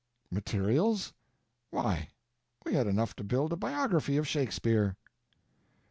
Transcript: Materials? Why, we had enough to build a biography of Shakespeare!